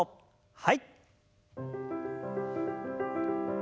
はい。